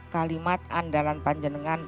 kalimat andalan panjenengan